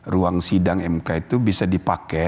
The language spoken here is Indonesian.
ruang sidang mk itu bisa dipakai